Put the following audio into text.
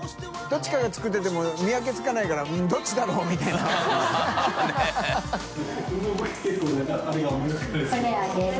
匹辰舛作ってても見分けつかないからどっちだろう？」みたいな